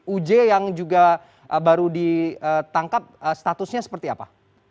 uj yang juga baru ditangkap statusnya seperti apa